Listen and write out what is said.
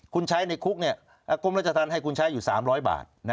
คุณใช้ในคุกกรมรัชธรรมให้คุณใช้อยู่๓๐๐บาท